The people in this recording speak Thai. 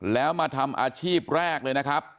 แล้วมาทำอาชีพแรกเลยนะครับ